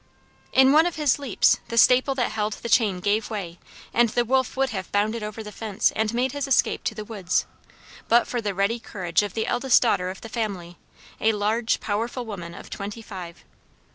In one of his leaps, the staple that held the chain gave way, and the wolf would have bounded over the fence, and made his escape to the woods, but for the ready courage of the eldest daughter of the family, a large, powerful woman of twenty five.